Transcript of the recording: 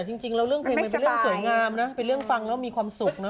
จริงแล้วเรื่องเพลงมันเป็นเรื่องสวยงามนะเป็นเรื่องฟังแล้วมีความสุขนะ